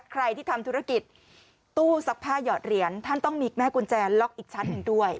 ใครที่ทำธุรกิจตู้ซักผ้าหยอดเหรียญท่านต้องมีแม่กุญแจล็อกอีกชั้นหนึ่งด้วย